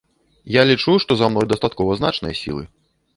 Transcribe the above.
Я лічу, што за мной дастаткова значныя сілы.